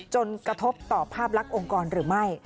กระทบต่อภาพลักษณ์องค์กรหรือไม่